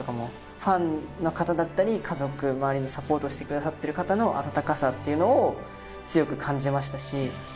ファンの方だったり家族周りのサポートしてくださってる方の温かさっていうのを強く感じましたし。